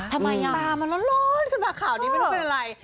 ทำไมอ่ะตามันร้อนขึ้นมาข่าวนี้ไม่รู้เป็นอะไร